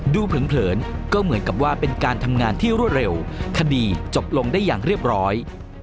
เผินก็เหมือนกับว่าเป็นการทำงานที่รวดเร็วคดีจบลงได้อย่างเรียบร้อย